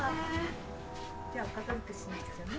じゃあお片付けしなくちゃね。